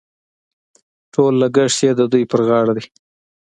ټول لګښت یې د دوی پر غاړه دي.